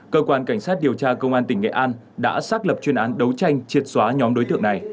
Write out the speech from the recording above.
cơ quan cảnh sát điều tra công an tỉnh nghệ an đã xác lập chuyên án đấu tranh triệt xóa nhóm đối tượng này